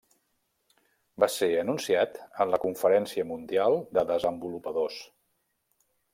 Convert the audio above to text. Va ser anunciat en la Conferència Mundial de Desenvolupadors.